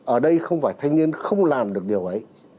ở đây không phải thanh niên không làm được điều ấy